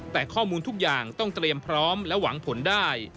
แต่ข้อมูลทุกอย่างต้องเตรียมพร้อมและหวังผลได้